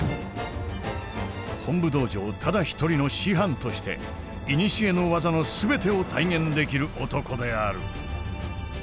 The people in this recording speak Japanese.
本部道場ただ一人の師範として古の技の全てを体現できる男である。